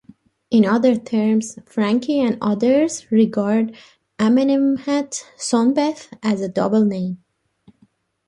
In other terms, Franke and others regard "Amenemhat Sonbef" as a double name.